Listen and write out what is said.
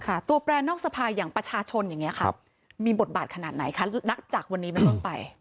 ตัวแปรนอกสภายอย่างประชาชนมีบทบาทขนาดไหนหรือนักจากวันนี้มันเริ่มไป